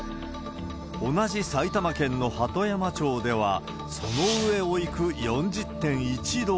同じ埼玉県の鳩山町では、その上をいく４０．１度を。